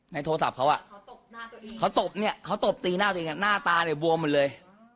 ในโทรศัพท์เขาเขาตบทีหน้าตัวเองหน้าตาบวมเหมือนเลย